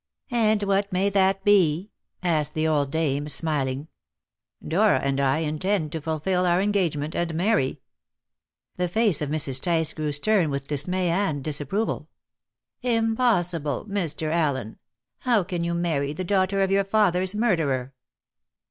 "And what may that be?" asked the old dame, smiling. "Dora and I intend to fulfil our engagement, and marry." The face of Mrs. Tice grew stern with dismay and disapproval. "Impossible, Mr. Allen! How can you marry the daughter of your father's murderer?"